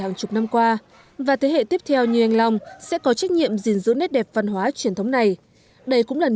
đây cũng là lúc thế hệ trẻ thấy được những nét đẹp truyền thống của cha ông ta